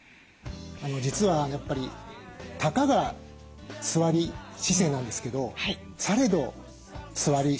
実はやっぱりたかが座り姿勢なんですけどされど座り姿勢なんですね。